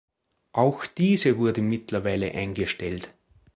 Auch diese wurde mittlerweile eingestellt.